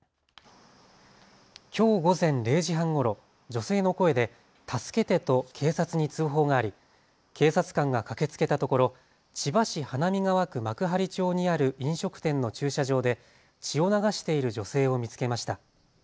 きょう午前０時半ごろ、女性の声で助けてと警察に通報があり、警察官が駆けつけたところ千葉市花見川区幕張町にある飲食店の駐車場で血を流している女性を見つけました。